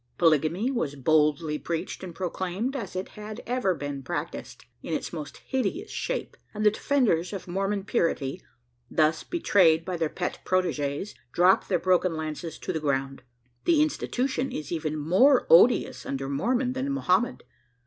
Polygamy was boldly preached and proclaimed, as it had ever been practised, in its most hideous shape; and the defenders of Mormon purity, thus betrayed by their pet proteges, dropped their broken lances to the ground. The "institution" is even more odious under Mormon than Mohammed.